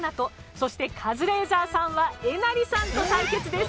そしてカズレーザーさんはえなりさんと対決です。